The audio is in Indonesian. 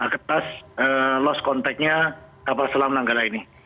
atas lost contact nya kapal selam nanggala ini